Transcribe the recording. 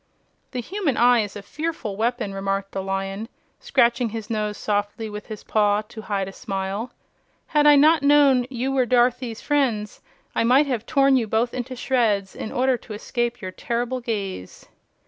"The human eye is a fearful weapon," remarked the Lion, scratching his nose softly with his paw to hide a smile. "Had I not known you were Dorothy's friends I might have torn you both into shreds in order to escape your terrible gaze."